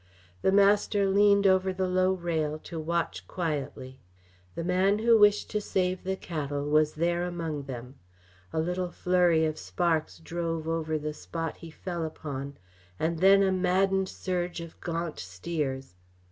The master leaned over the low rail to watch quietly. The man who wished to save the cattle was there among them. A little flurry of sparks drove over the spot he fell upon, and then a maddened surge of gaunt steers.